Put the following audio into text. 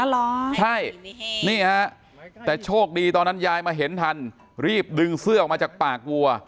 เหรอใช่นี่ฮะแต่โชคดีตอนนั้นยายมาเห็นทันรีบดึงเสื้อออกมาจากปากวัว